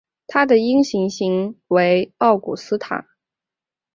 它的阴性型为奥古斯塔。